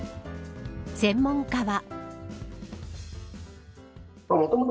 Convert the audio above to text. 専門家は。